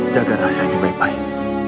jaga rasa ini baik baik